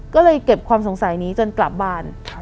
ก็เลยเก็บความสงสัยนี้จนกลับบ้าน